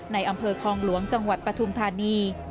ในอำเภอคลองหลวงจังหวัดปฐุมธานี